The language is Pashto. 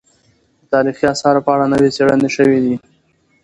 د تاريخي اثارو په اړه نوې څېړنې شوې دي.